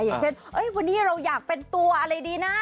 อย่างเช่นวันนี้เราอยากเป็นตัวอะไรดีนะ